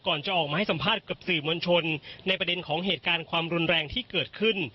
จะออกมาให้สัมภาษณ์กับสื่อมวลชนในประเด็นของเหตุการณ์ความรุนแรงที่เกิดขึ้น